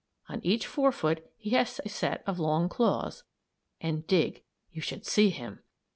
On each forefoot he has a set of long claws; and dig, you should see him!